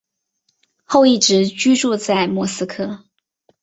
后一直居住在莫斯科。